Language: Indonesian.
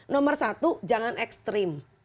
nomor satu jangan ekstrim